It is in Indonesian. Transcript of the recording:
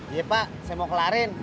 iya pak saya mau kelarin